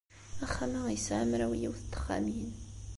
Axxam-a yesɛa mraw yiwet n texxamin.